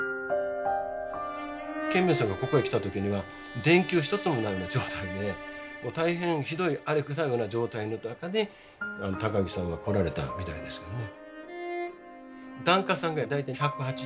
顕明さんがここへ来た時には電球一つもないような状態で大変ひどい荒れてたような状態の中で高木さんは来られたみたいですけどね。